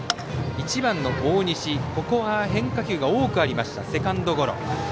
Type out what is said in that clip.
１番の大西、ここは変化球が多くありました、セカンドゴロ。